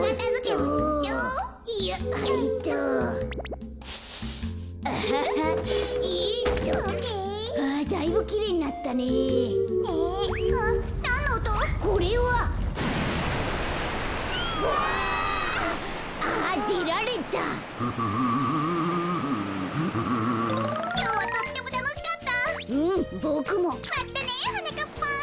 まったねはなかっぱん。